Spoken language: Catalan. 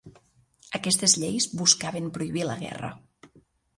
Aquestes lleis buscaven prohibir la guerra.